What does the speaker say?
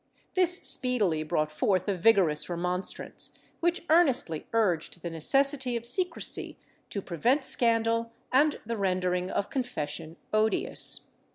^ This speedily brought forth a vigorous remonstrance, which earnestly urged the necessity of secrecy to prevent scandal and the rendering of con fession odious.